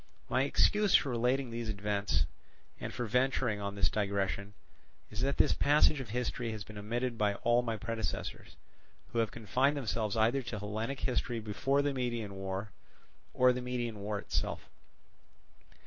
My excuse for relating these events, and for venturing on this digression, is that this passage of history has been omitted by all my predecessors, who have confined themselves either to Hellenic history before the Median War, or the Median War itself.